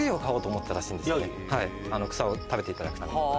草を食べていただくために。